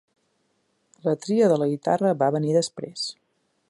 La tria de la guitarra va venir després.